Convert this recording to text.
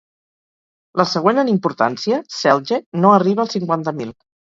La següent en importància, Celje, no arriba als cinquanta mil.